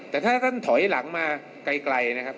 แต่ถ้าท่านถอยหลังมาไกล